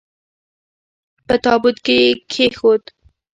په تابوت کې یې کښېښود.